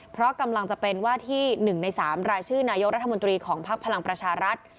เพราะกำลังจะเป็นว่าที่๑ใน๓รายชื่อนายกรัฐมนตรีของภักดิ์พลังประชารัฐ